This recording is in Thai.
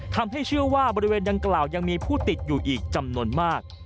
ทำให้เชื่อว่าบริเวณดังกล่าวยังมีผู้ติดอยู่อีกจำนวนมาก